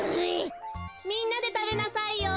みんなでたべなさいよ。